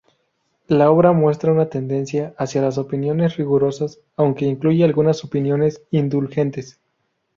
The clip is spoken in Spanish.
La obra muestra una tendencia hacia las opiniones rigurosas, aunque incluye algunas opiniones indulgentes.